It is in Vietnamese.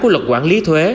của luật quản lý thuế